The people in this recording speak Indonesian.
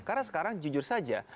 karena sekarang jujur saja